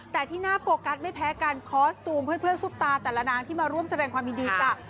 แต่ที่น่าโฟกัสไม่แพ้กันคอสตูมเพื่อนซุปตาแต่ละนางที่มาร่วมแสดงความยินดีจ้ะ